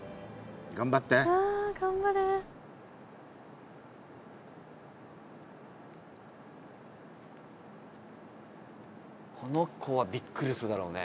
頑張れこの子はびっくりするだろうね